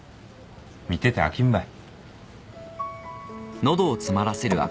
見てて飽きんばい。